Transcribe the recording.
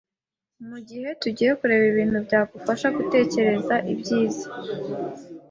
Mugihe tugiye kureba ibintu byagufasha gutekereza ibyiza